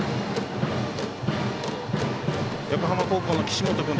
横浜高校の岸本君